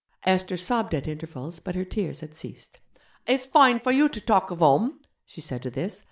Esther sobbed at intervals, but her tears had ceased. 'It's fine for you to talk of home,' she said to this.